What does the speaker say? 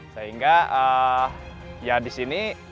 sehingga ya di sini